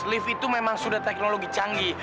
lift itu memang sudah teknologi canggih